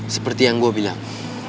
seperti yang gue bilang